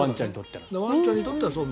ワンちゃんにとっては。